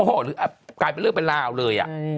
หรือกลายเป็นเรื่องเป็นราวเลย